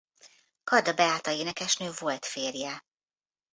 Karda Beáta énekesnő volt férje.